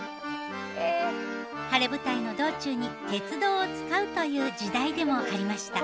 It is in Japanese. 晴れ舞台の道中に鉄道を使うという時代でもありました。